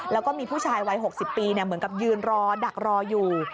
แล้วก็มีผู้ชายวัย๖๐ปีเหมือนกับยืนรอดักรออยู่